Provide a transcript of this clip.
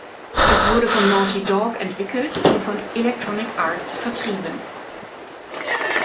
Es wurde von Naughty Dog entwickelt und von Electronic Arts vertrieben.